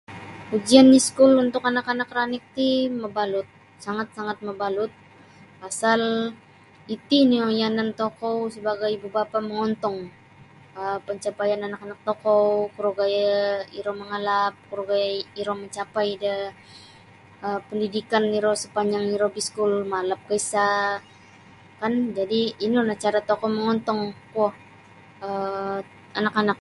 Ujian iskul untuk anak-anak ranik ti pasal ini nio yanan tokou sabagai ibu-bapa mongontong um pancapaian da anak-anak tokou kuro gaya iro mangalap kuro gaya iro mancapai da um pendidikan iro sapanjang iro baiskul malap kah isa kan jadi ino lah cara tokou mongontong kuo um anak-anak.